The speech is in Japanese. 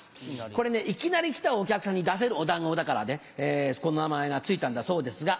これいきなり来たお客さんに出せるお団子だからこの名前が付いたんだそうですが。